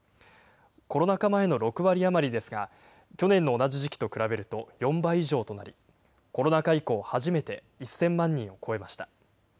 コロナ禍前の６割余りですが、去年の同じ時期と比べると４倍以上となり、コロナ禍以降、初めて１０００万人を超えました。